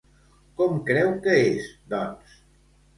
Com creu que és, doncs?